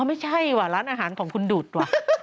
ไม่ใช่ว่ะร้านอาหารของคุณดูดว่ะ